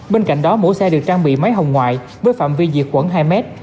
bên cạnh đó mỗi xe được trang bị máy hồng ngoại với phạm vi diệt khoảng hai mét